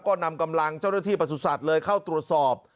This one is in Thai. ก็นำกำลังเจ้าหน้าที่ประสุทธิ์เลยเข้าตรวจสอบ